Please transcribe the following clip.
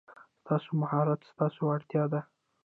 ستاسو مهارت ستاسو وړتیا ده.